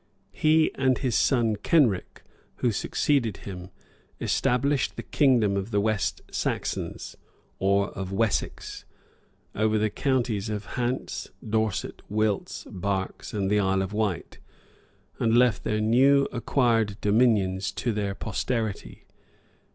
He and his son Kenric, who succeeded him, established the kingdom of the West Saxons, or of Wessex, over the counties of Hants, Dorset, Wilts, Berks, and the Isle of Wight, and left their new acquired dominions to their posterity.